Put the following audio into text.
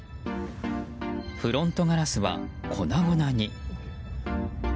フロントガラスは粉々に。